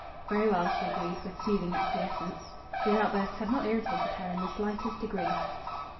"Very well," she agreed, with soothing acquiescence. His outburst had not irritated her in the slightest degree.